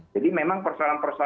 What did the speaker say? jadi memang persoalan persoalan